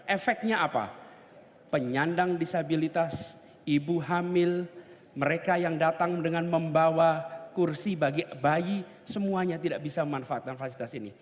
efeknya apa penyandang disabilitas ibu hamil mereka yang datang dengan membawa kursi bagi bayi semuanya tidak bisa memanfaatkan fasilitas ini